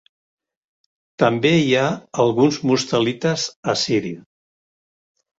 També hi ha alguns mustalites a Síria.